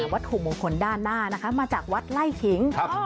วัตถุมงคลด้านหน้านะคะมาจากวัดไล่ขิง